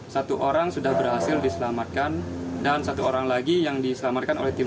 satu orang sudah berhasil diselamatkan dan satu orang lagi yang diselamatkan oleh tim